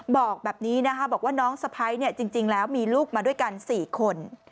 บอกแบบนี้นะคะบอกว่าน้องสะพ้ายจริงแล้วมีลูกมาด้วยกัน๔คน